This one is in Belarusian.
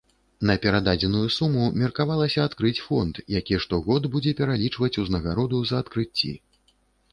На перададзеную суму меркавалася адкрыць фонд, які штогод будзе пералічваць узнагароду за адкрыцці.